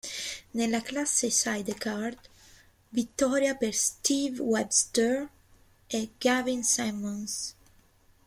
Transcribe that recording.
Nella classe sidecar vittoria per Steve Webster e Gavin Simmons.